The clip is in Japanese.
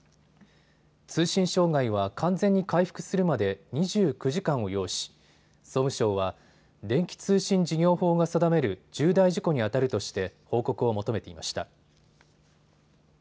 通信障害は完全に回復するまで２９時間を要し総務省は電気通信事業法が定める重大事故にあたるとして報告を求めていました。